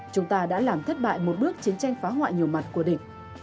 chúng ta đã làm thất bại một bước chiến tranh phá hoại nhiều mặt của địch